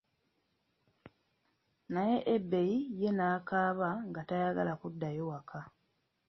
Naye Ebei ye nakaaba nga tayagala kuddayo waka.